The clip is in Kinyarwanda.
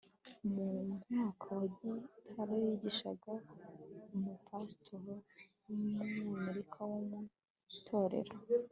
mu mwaka wa i gitwe higishaga umupasitoro w'umunyamerika wo mu itorero